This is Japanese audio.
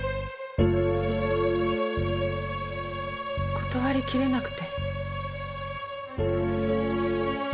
断りきれなくて。